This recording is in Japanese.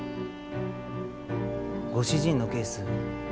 ご主人のケース